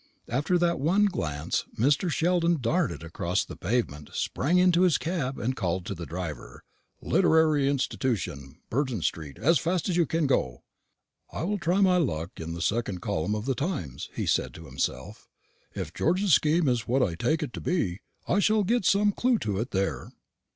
After that one glance Mr. Sheldon darted across the pavement, sprang into his cab, and called to the driver, "Literary Institution, Burton street, as fast as you can go." "I'll try my luck in the second column of the Times," he said to himself. "If George's scheme is what I take it to be, I shall get some clue to it there."